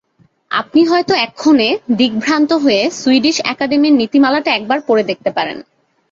আপনি হয়তো এক্ষণে, দিকভ্রান্ত হয়ে, সুইডিশ অ্যাকাডেমির নীতিমালাটা একবার পড়ে দেখতে পারেন।